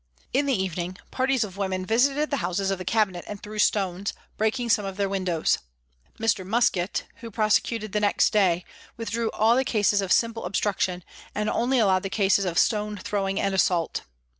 In the evening parties of women visited the houses of the Cabinet and threw stones, breaking some of their windows. Mr. Muskett, who prosecuted the next day, withdrew all the cases of " simple obstruc tion," and only allowed the cases of " stone throwing and assault."